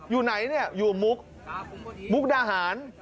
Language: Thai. อยู่ไหนเนี่ยอยู่มุกมุกดาหาร